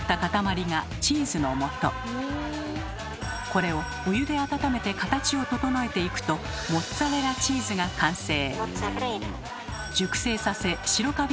これをお湯で温めて形を整えていくとモッツァレラチーズが完成。